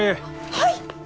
はい！